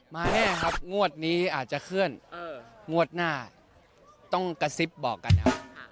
แน่ครับงวดนี้อาจจะเคลื่อนงวดหน้าต้องกระซิบบอกกันครับ